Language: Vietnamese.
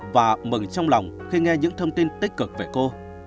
và mừng trong lòng khi nghe những thông tin tích cực về cô